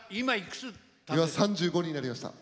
３５になりました。